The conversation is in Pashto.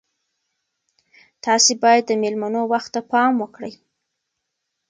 تاسي باید د میلمنو وخت ته پام وکړئ.